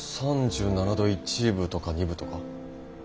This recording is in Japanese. ３７度１分とか２分とか。